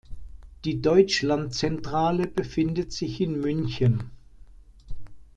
Die Deutschlandzentrale befindet sich in München.